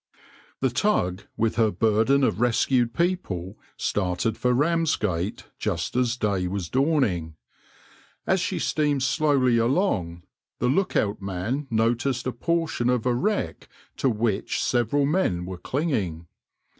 \par The tug with her burden of rescued people started for Ramsgate just as day was dawning. As she steamed slowly along, the look out man noticed a portion of a wreck to which several men were clinging.